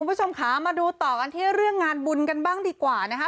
คุณผู้ชมค่ะมาดูต่อกันที่เรื่องงานบุญกันบ้างดีกว่านะคะ